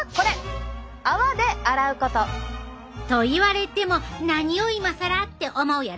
「泡で洗うこと！」。と言われても何を今更って思うやろ？